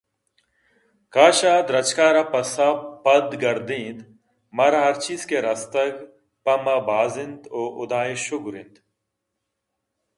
کاش ءَ درٛچک ءَ را پسّہ پرگردینت مارا ہرچیز کہ رَستگ پہ ما باز اِنت ءُ حُدا ءِ شُگر اِنت